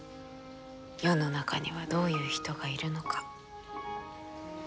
世の中にはどういう人がいるのか。